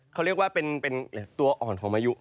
เค้าเรียกว่าเป็นหรือตัวอ่อนของมายุ